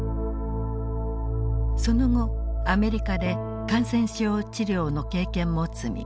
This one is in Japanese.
その後アメリカで感染症治療の経験も積み